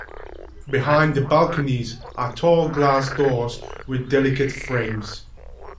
Behind the balconies are tall glass doors with delicate frames.